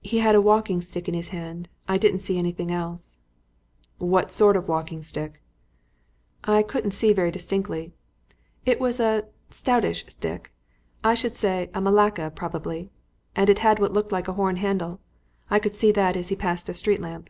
"He had a walking stick in his hand. I didn't see anything else." "What sort of walking stick?" "I couldn't see very distinctly. It was a stoutish stick I should say a Malacca, probably and it had what looked like a horn handle. I could see that as he passed a street lamp."